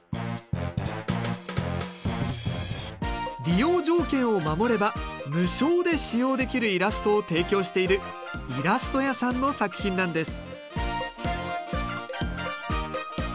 利用条件を守れば無償で使用できるイラストを提供しているいらすとやさんの作品なんです。